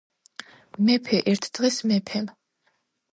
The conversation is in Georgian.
მეფე. ერთ დღეს მეფემ